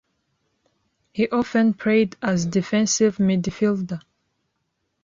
He often played as defensive midfielder.